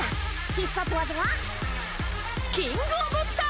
必殺技はキング・オブ・スター！